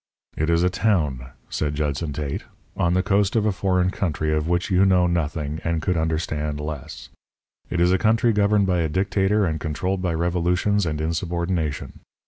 "It is a town," said Judson Tate, "on the coast of a foreign country of which you know nothing and could understand less. It is a country governed by a dictator and controlled by revolutions and insubordination.